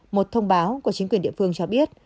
một thông báo của chính quyền địa phương cho biết